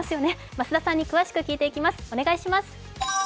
増田さんに詳しく聞いていきます。